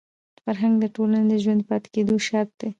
فرهنګ د ټولني د ژوندي پاتې کېدو شرط دی.